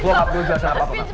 lo gak perlu jelasin apa apa mel